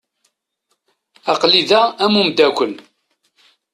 Aql-i da am umdakel.